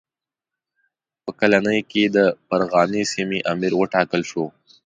په کلنۍ کې د فرغانې سیمې امیر وټاکل شو.